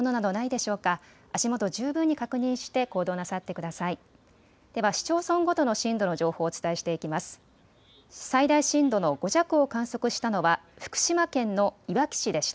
では市町村ごとの震度の情報をお伝えしていきます。